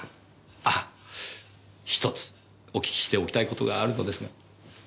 あっ１つお聞きしておきたいことがあるのですが。